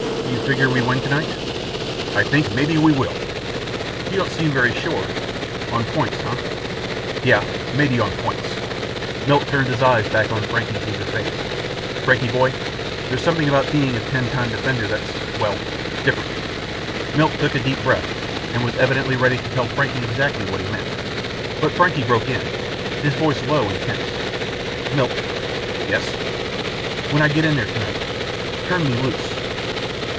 "You figure we win tonight?" "I think maybe we will." "You don't seem very sure. On points, huh?" "Yeah, maybe on points." Milt turned his eyes back on Frankie's eager face. "Frankie, boy there's something about being a Ten Time Defender that's, well different." Milt took a deep breath and was evidently ready to tell Frankie exactly what he meant. But Frankie broke in, his voice low and tense. "Milt " "Yes?" "When I get in there tonight turn me loose!"